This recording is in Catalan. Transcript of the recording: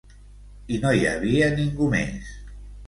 I no hi havia ningú més.